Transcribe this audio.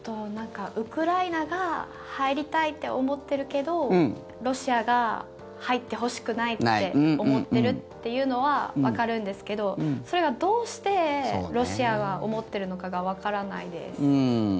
ウクライナが入りたいって思ってるけどロシアが、入ってほしくないって思ってるっていうのはわかるんですけどそれが、どうしてロシアは思っているのかがわからないです。